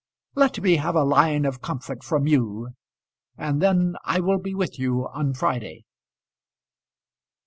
Let me have a line of comfort from you, and then I will be with you on Friday."